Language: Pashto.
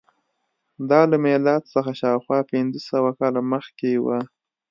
دا له میلاد څخه شاوخوا پنځه سوه کاله مخکې وه.